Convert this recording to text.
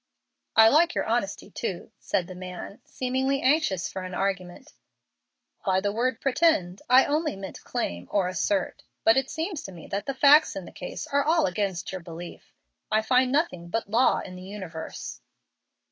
"I like your honesty, too," said the man, seemingly anxious for an argument. "By the word 'pretend' I only meant claim, or assert. But it seems to me that the facts in the case are all against your belief. I find nothing but law in the universe.